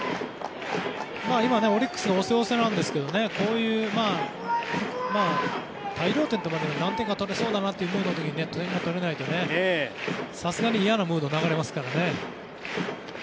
今オリックスが押せ押せなんですけどこういう大量点というか何点か取れそうだなという時に点が取れないと、さすがに嫌なムードが流れますからね。